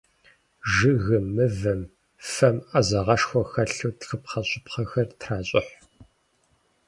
Жыгым, мывэм, фэм Ӏэзагъэшхуэ хэлъу тхыпхъэщӀыпхъэхэр тращӀыхь.